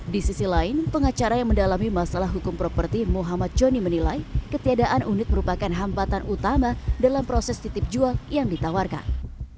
di sisi lain pengacara yang mendalami masalah hukum properti muhammad joni menilai ketiadaan unit merupakan hambatan utama dalam proses titip jual yang ditawarkan